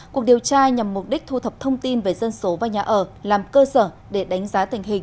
cuộc điều tra nhằm mục đích thu thập thông tin về dân số và nhà ở làm cơ sở để đánh giá tình hình